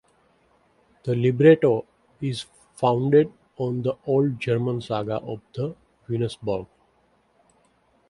The libretto is founded on the old German saga of the Venusberg.